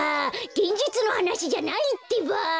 げんじつのはなしじゃないってば！